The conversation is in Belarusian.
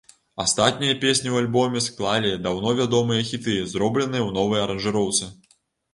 Астатнія песні ў альбоме склалі даўно вядомыя хіты, зробленыя ў новай аранжыроўцы.